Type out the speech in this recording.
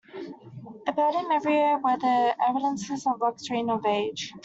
About him, everywhere, were the evidences of luxury and of age.